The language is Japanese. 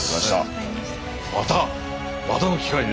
またまたの機会に。